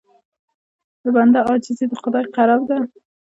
د بنده عاجزي د خدای قرب ده.